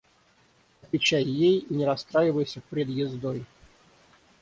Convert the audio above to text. Отвечай ей и не расстраивайся пред ездой.